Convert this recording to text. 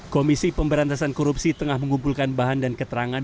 komisi pemberantasan korupsi tengah mengumpulkan bahan dan keterangan